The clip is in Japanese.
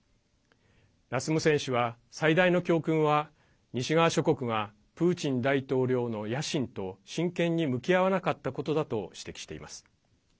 ラスムセン氏は、最大の教訓は西側諸国がプーチン大統領の野心と真剣に向き合わなかったことだと指摘しています。